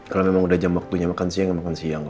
kalau memang sudah jam beku makan siang makan sianglah